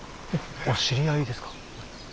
お知り合いですか。